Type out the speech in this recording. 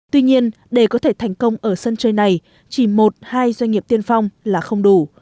tuy nhiên để có thể thành công ở sân chơi này chỉ một hai doanh nghiệp tiên phong là không đủ